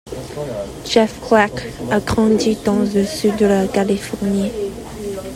Jeff Clark a grandi dans le sud de la Californie.